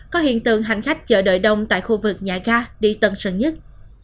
có hiện tượng hành khách chờ đợi đông tại khu vực nhà ga đi tân sơn nhất